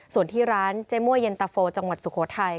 ส่วนที่ร้านเจ๊มั่วเย็นตะโฟจังหวัดสุโขทัย